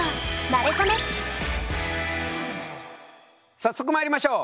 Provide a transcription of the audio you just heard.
早速まいりましょう。